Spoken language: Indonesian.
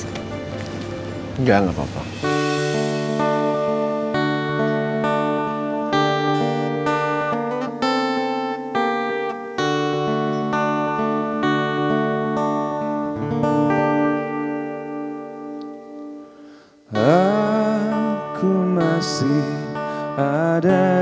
tidak ada apa apa